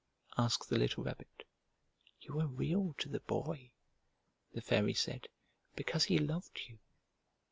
asked the little Rabbit. "You were Real to the Boy," the Fairy said, "because he loved you.